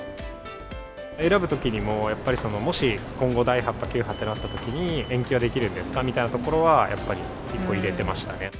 選ぶときにも、やっぱりもし今後、第８波、９波ってなったときに、延期はできるんですかみたいなところは、やっぱり、入れてましたね。